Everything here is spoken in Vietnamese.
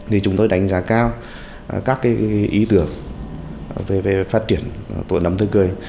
thì chúng tôi đánh giá cao các cái ý tưởng về phát triển của nấm tươi cười